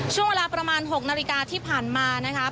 ช่วงเวลาประมาณ๖นาฬิกาที่ผ่านมานะครับ